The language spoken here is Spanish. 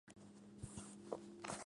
Se encuentra dentro de una alta planicie.